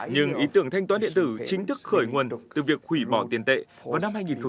nhưng ý tưởng thanh toán điện tử chính thức khởi nguồn từ việc hủy bỏ tiền tệ vào năm hai nghìn một mươi